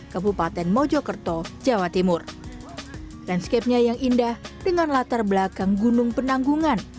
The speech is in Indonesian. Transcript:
kabupaten mojokerto jawa timur landscape nya yang indah dengan latar belakang gunung penanggungan